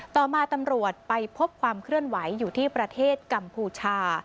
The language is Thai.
ต่อมาตำรวจไปพบความเคลื่อนไหวอยู่ที่ประเทศกัมพูชา